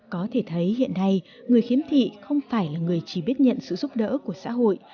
có thể thấy hiện nay người khiếm thị không phải là người chỉ biết nhận sự giúp đỡ của xã hội